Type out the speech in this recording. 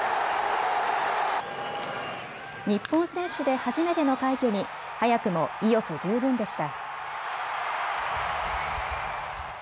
日本選手で初めての快挙に早くも意欲十分でした。